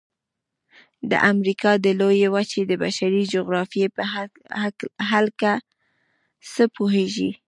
د امریکا د لویې وچې د بشري جغرافیې په هلکه څه پوهیږئ؟